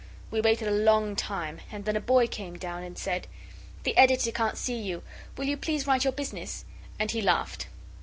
We waited a long time, and then a boy came down and said 'The Editor can't see you. Will you please write your business?' And he laughed.